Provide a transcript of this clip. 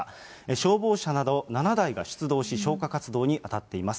消防車など７台が出動し、消火活動に当たっています。